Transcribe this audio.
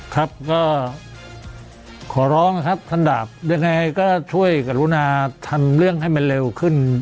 ครับก็ขอร้องนะครับท่านดาบยังไงก็ช่วยกรุณาทำเรื่องให้มันเร็วขึ้น